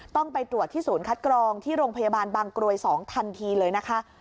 ต้องไปตรวจที่ศูนย์คัดกรองที่โรงพยาบาลบางกรวย๒ทันทีเลยนะคะ